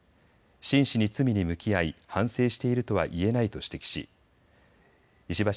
真摯に罪に向き合い反省しているとはいえないと指摘し石橋